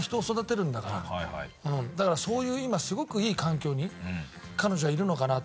だからそういう今すごくいい環境に彼女はいるのかなと。